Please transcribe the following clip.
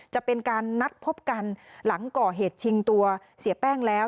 จะเป็นการนัดพบกันหลังก่อเหตุชิงตัวเสียแป้งแล้ว